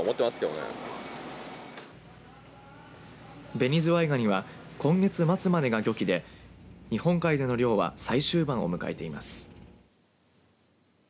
ベニズワイガニは今月末までが漁期で日本海での漁は最終盤を迎えています。